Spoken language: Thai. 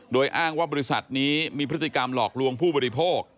โดยอ้างว่าบริษัทนี้มีพฤติกรรมหลอกลวงผู้บริโภค